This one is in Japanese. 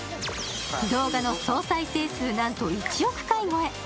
動画の総再生数、なんと１億回超え。